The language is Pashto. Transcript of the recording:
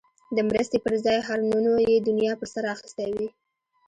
د مرستې پر ځای هارنونو یې دنیا په سر اخیستی وي.